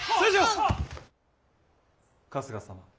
・春日様。